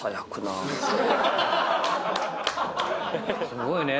すごいね。